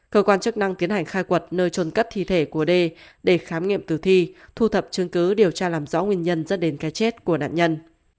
cơ quan chức năng tiến hành khai quật nơi trồn cắt thi thể của đê để khám nghiệm tử thi thu thập chứng cứ điều tra làm rõ nguyên nhân dẫn đến cái chết của nạn nhân